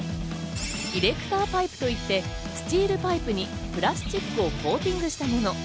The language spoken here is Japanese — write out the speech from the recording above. イレクターパイプといって、スチールパイプにプラスチックをコーティングしたもの。